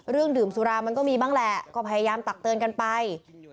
ดื่มสุรามันก็มีบ้างแหละก็พยายามตักเตือนกันไป